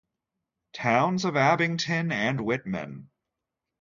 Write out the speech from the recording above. Towns of Abington and Whitman.